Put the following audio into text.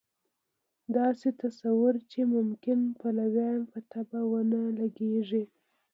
داسې تصویر چې ممکن پلویانو په طبع ونه لګېږي.